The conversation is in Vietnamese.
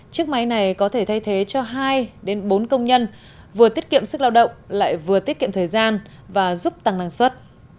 chiếc máy này có thể thay thế cho hai bốn công nhân vừa tiết kiệm sức lao động lại vừa tiết kiệm thời gian và giúp tăng năng suất